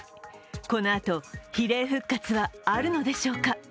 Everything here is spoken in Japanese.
このあと、比例復活はあるのでしょうか。